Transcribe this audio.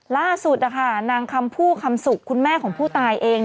ล่าสุดนะคะนางคำผู้คำสุกคุณแม่ของผู้ตายเอง